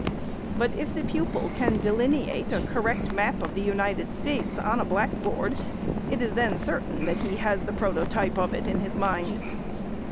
But if the pupil can delineate a correct map of the United States on a blackboard, it is then certain that he has the prototype of it in his mind.